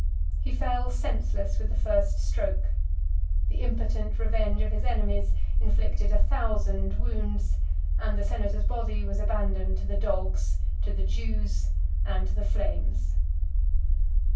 He fell senseless with the first stroke: the impotent revenge of his enemies inflicted a thousand wounds: and the senator's body was abandoned to the dogs, to the Jews, and to the flames.